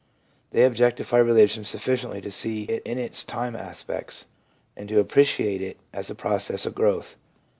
They objectify religion sufficiently to see it in its time aspects, and to ap preciate it as a process of growth.